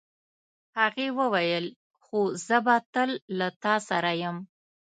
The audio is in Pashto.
هغې وویل خو زه به تل له تا سره یم.